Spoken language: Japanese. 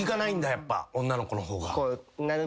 やっぱ女の子の方が。